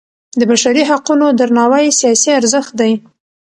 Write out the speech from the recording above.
د بشري حقونو درناوی سیاسي ارزښت دی